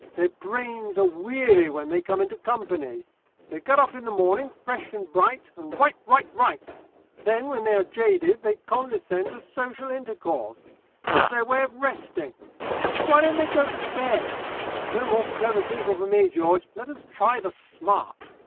Their brains are weary when they come into company. They get up in the morning fresh and bright, and write, write, write. Then, when they are jaded, they condescend to social intercourse. It is their way of resting. But why don't they go to bed? No more clever people for me, George. Let us try the smart.